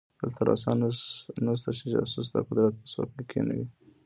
دلته روسان نشته چې جاسوس د قدرت پر څوکۍ کېنوي.